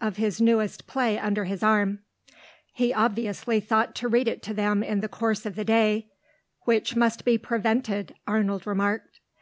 of his newest play under his arm (he obviously thought to read it to them in the course of the day "which must be prevented," Arnold remarked).